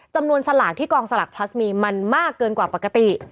สลากที่กองสลักพลัสมีมันมากเกินกว่าปกติ